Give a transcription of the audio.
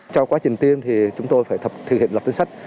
trong quá trình tiêm thì chúng tôi phải thực hiện lập danh sách